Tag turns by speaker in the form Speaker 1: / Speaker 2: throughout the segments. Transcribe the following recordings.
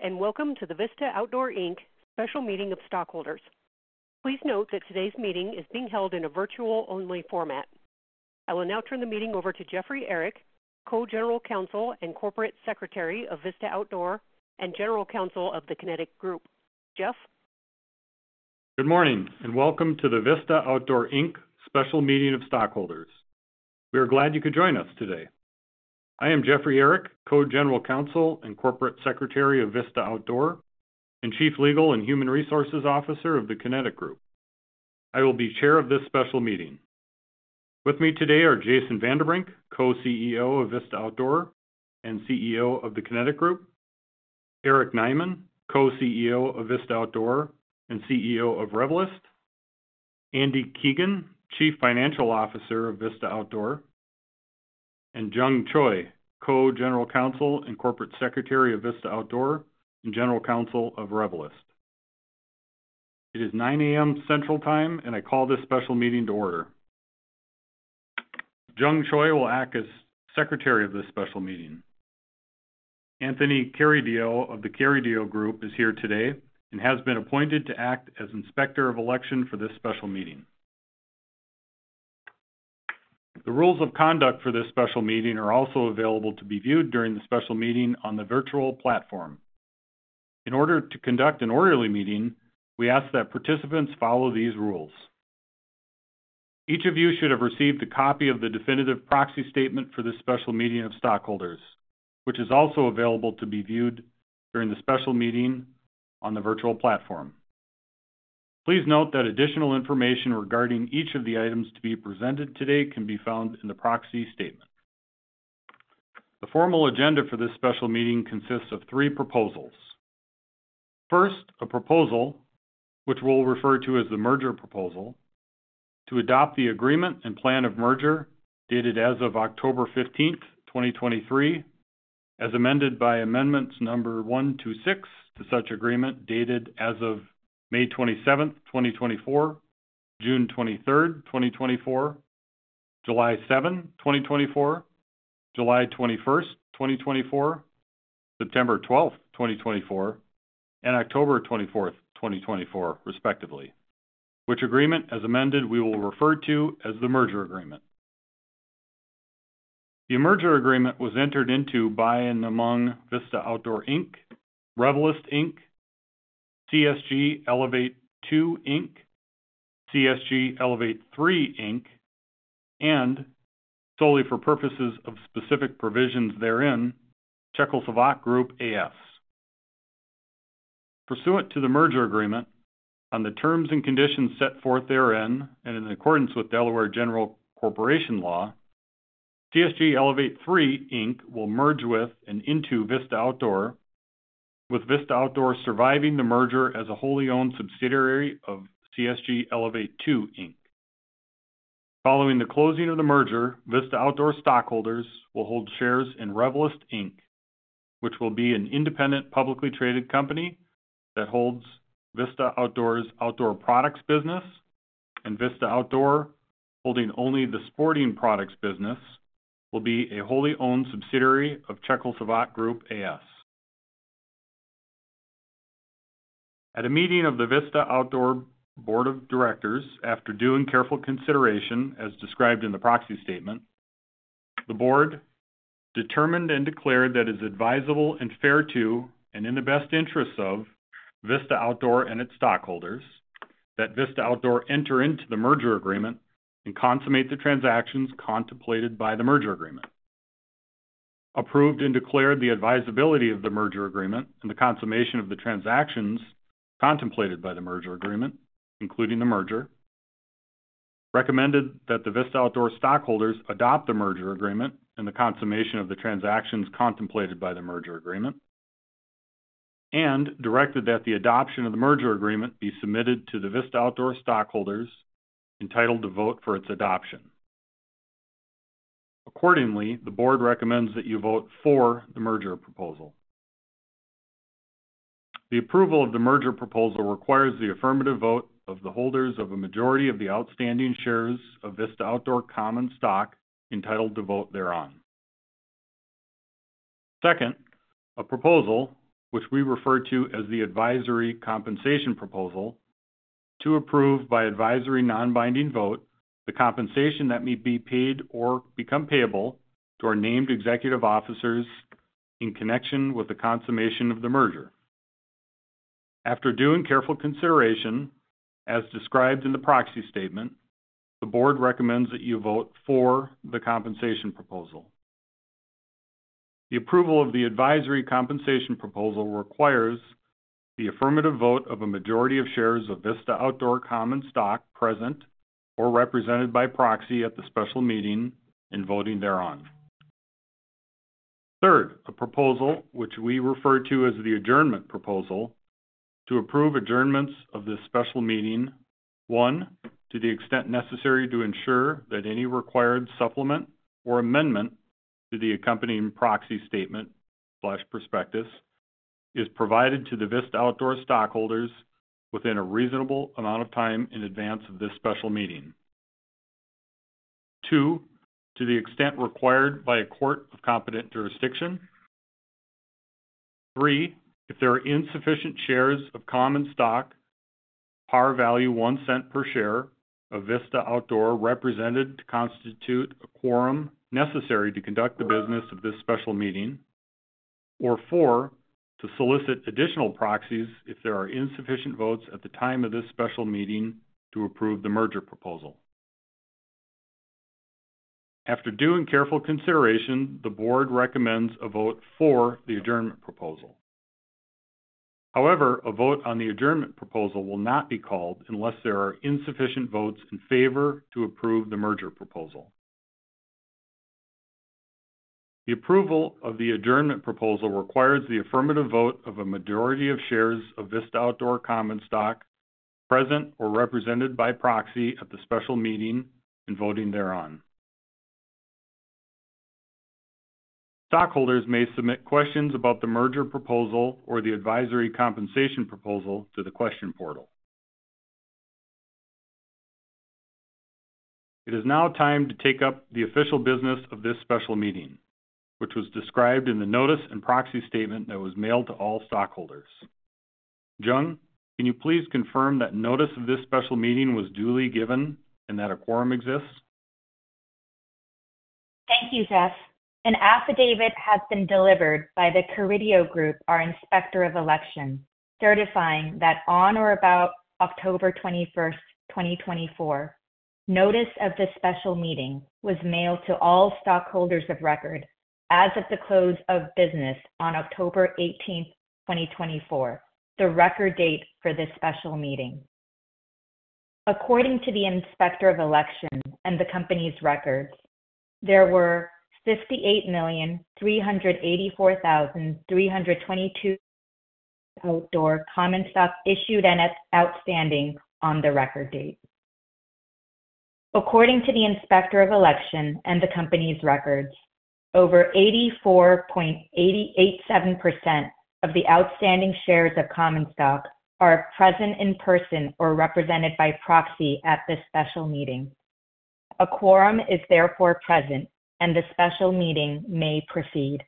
Speaker 1: Hello, and welcome to the Vista Outdoor Inc. Special Meeting of Stockholders. Please note that today's meeting is being held in a virtual-only format. I will now turn the meeting over to Jeffrey Ehrich, Co-General Counsel and Corporate Secretary of Vista Outdoor and General Counsel of the Kinetic Group. Jeff?
Speaker 2: Good morning, and welcome to the Vista Outdoor Inc. Special Meeting of Stockholders. We are glad you could join us today. I am Jeffrey Ehrich, Co-General Counsel and Corporate Secretary of Vista Outdoor and Chief Legal and Human Resources Officer of the Kinetic Group. I will be Chair of this Special Meeting. With me today are Jason Vanderbrink, Co-CEO of Vista Outdoor and CEO of the Kinetic Group, Eric Nyman, Co-CEO of Vista Outdoor and CEO of Revelyst, Andy Keegan, Chief Financial Officer of Vista Outdoor, and Jung Choi, Co-General Counsel and Corporate Secretary of Vista Outdoor and General Counsel of Revelyst. It is 9:00 A.M. Central Time, and I call this Special Meeting to order. Jung Choi will act as Secretary of this Special Meeting. Anthony Carideo of The Carideo Group is here today and has been appointed to act as Inspector of Election for this Special Meeting. The rules of conduct for this Special Meeting are also available to be viewed during the Special Meeting on the virtual platform. In order to conduct an orderly meeting, we ask that participants follow these rules. Each of you should have received a copy of the Definitive Proxy Statement for this Special Meeting of Stockholders, which is also available to be viewed during the Special Meeting on the virtual platform. Please note that additional information regarding each of the items to be presented today can be found in the Proxy Statement. The formal agenda for this Special Meeting consists of three proposals. First, a proposal, which we'll refer to as the merger proposal, to adopt the agreement and plan of merger dated as of October 15, 2023, as amended by Amendments Number 126 to such agreement dated as of May 27, 2024, June 23, 2024, July 7, 2024, July 21, 2024, September 12, 2024, and October 24, 2024, respectively, which agreement, as amended, we will refer to as the merger agreement. The merger agreement was entered into by and among Vista Outdoor Inc., Revelyst Inc., CSG Elevate II Inc., CSG Elevate III Inc., and, solely for purposes of specific provisions therein, Czechoslovak Group a.s. Pursuant to the merger agreement, on the terms and conditions set forth therein and in accordance with Delaware General Corporation Law, CSG Elevate Inc. will merge with and into Vista Outdoor, with Vista Outdoor surviving the merger as a wholly-owned subsidiary of CSG ElevatElevate II Inc. Following the closing of the merger, Vista Outdoor stockholders will hold shares in Revelyst, Inc., which will be an independent publicly traded company that holds Vista Outdoor's outdoor products business, and Vista Outdoor, holding only the sporting products business, will be a wholly-owned subsidiary of Czechoslovak Group a.s. At a meeting of the Vista Outdoor Board of Directors, after due and careful consideration, as described in the Proxy Statement, the Board determined and declared that it is advisable and fair to, and in the best interests of Vista Outdoor and its stockholders, that Vista Outdoor enter into the merger agreement and consummate the transactions contemplated by the merger agreement. Approved and declared the advisability of the merger agreement and the consummation of the transactions contemplated by the merger agreement, including the merger, recommended that the Vista Outdoor stockholders adopt the merger agreement and the consummation of the transactions contemplated by the merger agreement, and directed that the adoption of the merger agreement be submitted to the Vista Outdoor stockholders entitled to vote for its adoption. Accordingly, the Board recommends that you vote for the merger proposal. The approval of the merger proposal requires the affirmative vote of the holders of a majority of the outstanding shares of Vista Outdoor common stock entitled to vote thereon. Second, a proposal, which we refer to as the advisory compensation proposal, to approve by advisory non-binding vote the compensation that may be paid or become payable to our named executive officers in connection with the consummation of the merger. After due and careful consideration, as described in the Proxy Statement, the Board recommends that you vote for the compensation proposal. The approval of the advisory compensation proposal requires the affirmative vote of a majority of shares of Vista Outdoor common stock present or represented by proxy at the Special Meeting and voting thereon. Third, a proposal, which we refer to as the adjournment proposal, to approve adjournments of this Special Meeting, one, to the extent necessary to ensure that any required supplement or amendment to the accompanying Proxy Statement/Prospectus is provided to the Vista Outdoor stockholders within a reasonable amount of time in advance of this Special Meeting. Two, to the extent required by a court of competent jurisdiction. Three, if there are insufficient shares of common stock, par value of $0.01 per share, of Vista Outdoor represented to constitute a quorum necessary to conduct the business of this Special Meeting. Or four, to solicit additional proxies if there are insufficient votes at the time of this Special Meeting to approve the Merger Proposal. After due and careful consideration, the Board recommends a vote for the adjournment proposal. However, a vote on the adjournment proposal will not be called unless there are insufficient votes in favor to approve the merger proposal. The approval of the adjournment proposal requires the affirmative vote of a majority of shares of Vista Outdoor common stock present or represented by proxy at the Special Meeting and voting thereon. Stockholders may submit questions about the merger proposal or the advisory compensation proposal to the question portal. It is now time to take up the official business of this Special Meeting, which was described in the Notice and Proxy Statement that was mailed to all stockholders. Jung, can you please confirm that notice of this Special Meeting was duly given and that a quorum exists?
Speaker 3: Thank you, Jeff. An affidavit has been delivered by the Carideo Group, our Inspector of Election, certifying that on or about October 21, 2024, notice of the Special Meeting was mailed to all stockholders of record as of the close of business on October 18, 2024, the record date for this Special Meeting. According to the Inspector of Election and the company's records, there were 58,384,322 Vista Outdoor common stock issued and outstanding on the record date. According to the Inspector of Election and the company's records, over 84.887% of the outstanding shares of common stock are present in person or represented by proxy at this Special Meeting. A quorum is therefore present, and the Special Meeting may proceed.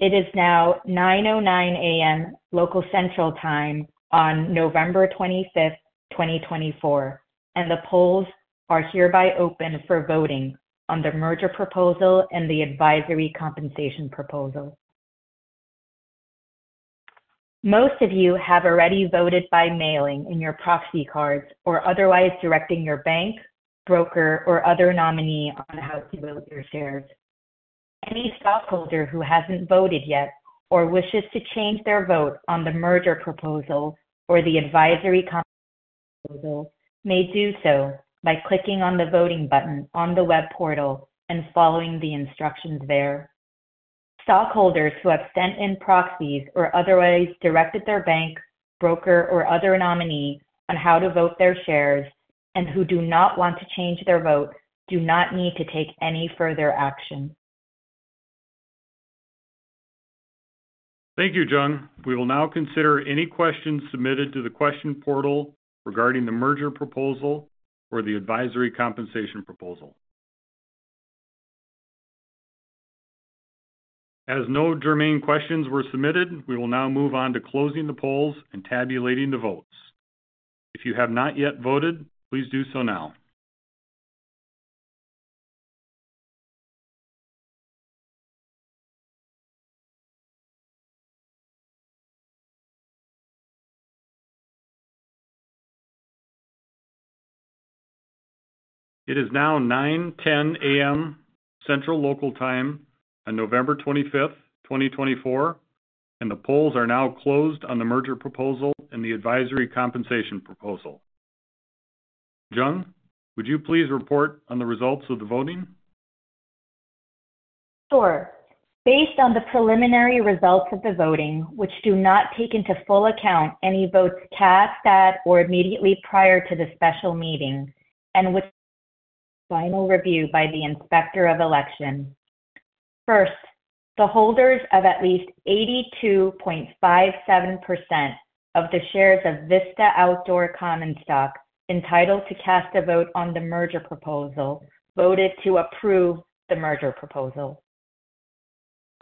Speaker 3: It is now 9:09 A.M. local Central Time on November 25, 2024, and the polls are hereby open for voting on the merger proposal and the advisory compensation proposal. Most of you have already voted by mailing in your proxy cards or otherwise directing your bank, broker, or other nominee on how to vote your shares. Any stockholder who hasn't voted yet or wishes to change their vote on the merger proposal or the advisory proposal may do so by clicking on the voting button on the web portal and following the instructions there. Stockholders who have sent in proxies or otherwise directed their bank, broker, or other nominee on how to vote their shares and who do not want to change their vote do not need to take any further action.
Speaker 2: Thank you, Jung. We will now consider any questions submitted to the question portal regarding the merger proposal or the advisory compensation proposal. As no germane questions were submitted, we will now move on to closing the polls and tabulating the votes. If you have not yet voted, please do so now. It is now 9:10 A.M. Central Local Time on November 25, 2024, and the polls are now closed on the merger proposal and the advisory compensation proposal. Jung, would you please report on the results of the voting?
Speaker 3: Sure. Based on the preliminary results of the voting, which do not take into full account any votes cast at or immediately prior to the Special Meeting and which are subject to final review by the Inspector of Election, first, the holders of at least 82.57% of the shares of Vista Outdoor common stock entitled to cast a vote on the Merger Proposal voted to approve the Merger Proposal.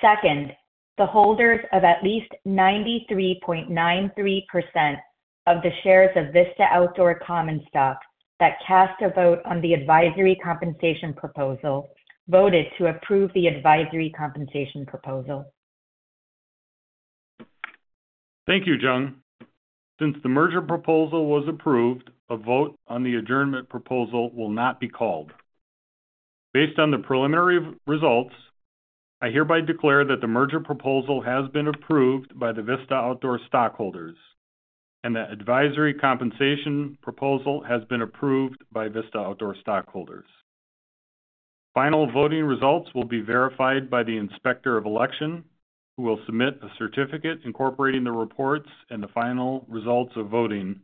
Speaker 3: Second, the holders of at least 93.93% of the shares of Vista Outdoor common stock that cast a vote on the Advisory Compensation Proposal voted to approve the Advisory Compensation Proposal.
Speaker 2: Thank you, Jung. Since the Merger Proposal was approved, a vote on the Adjournment Proposal will not be called. Based on the preliminary results, I hereby declare that the Merger Proposal has been approved by the Vista Outdoor stockholders and that Advisory Compensation Proposal has been approved by Vista Outdoor stockholders. Final voting results will be verified by the Inspector of Election, who will submit a certificate incorporating the reports and the final results of voting,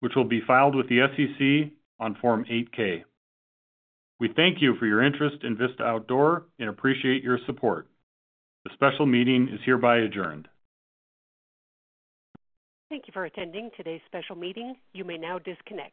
Speaker 2: which will be filed with the SEC on Form 8-K. We thank you for your interest in Vista Outdoor and appreciate your support. The Special Meeting is hereby adjourned.
Speaker 1: Thank you for attending today's Special Meeting. You may now disconnect.